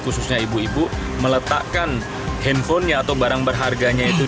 khususnya ibu ibu meletakkan handphonenya atau barang berharganya itu